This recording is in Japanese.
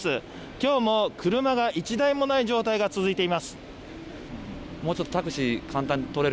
今日も車が１台もない状態が続いています。